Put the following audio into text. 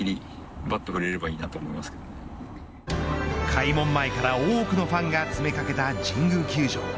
開門前から多くのファンが詰めかけた神宮球場。